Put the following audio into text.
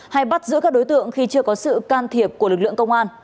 hay bắt giữa các đối tượng khi chưa có sự can thiệp của lực lượng